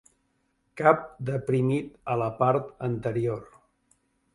Cap deprimit a la part anterior.